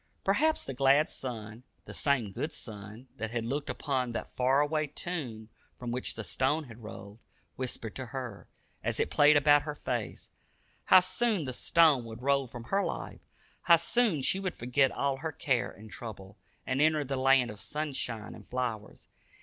Perhaps the glad sun, the same good sun that had looked upon that far away tomb from which the stone had rolled, whispered to her, as it played about her face, how soon the stone would roll from her life; how soon she would forget all her care and trouble, and enter the land of sunshine and flowers.